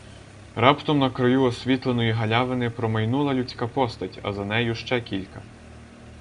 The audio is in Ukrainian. Раптом на краю освітленої галявини промайнула людська постать, а за нею ще кілька.